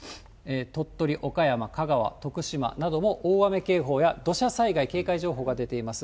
鳥取、岡山、香川、徳島なども大雨警報や土砂災害警戒情報が出ています。